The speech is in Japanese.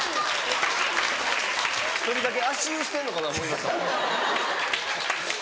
１人だけ足湯してんのかな思いました。